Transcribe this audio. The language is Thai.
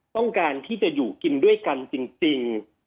ต้องการที่จะอยู่กินด้วยกันจริง